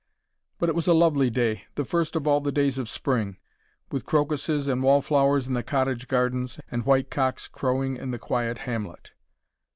But it was a lovely day, the first of all the days of spring, with crocuses and wall flowers in the cottage gardens, and white cocks crowing in the quiet hamlet.